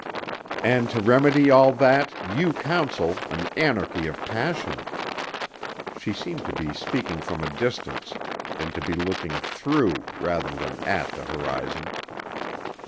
"And to remedy all that you counsel an anarchy of passion." She seemed to be speaking from a distance and to be looking through rather than at the horizon.